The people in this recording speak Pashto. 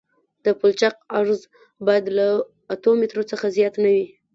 د پلچک عرض باید له اتو مترو څخه زیات نه وي